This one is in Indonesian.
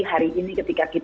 hari ini ketika kita